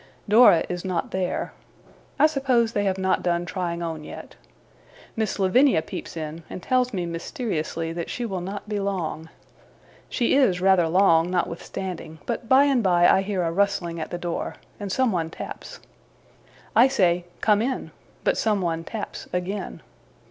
Dora is not there. I suppose they have not done trying on yet. Miss Lavinia peeps in, and tells me mysteriously that she will not be long. She is rather long, notwithstanding; but by and by I hear a rustling at the door, and someone taps. I say, 'Come in!' but someone taps again.